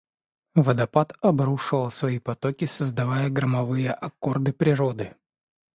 Водопад обрушивал свои потоки, создавая громовые аккорды природы.